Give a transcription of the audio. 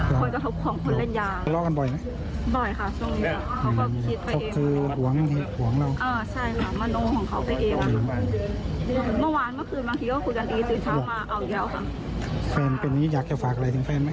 คนก็ครบของคนเล่นยา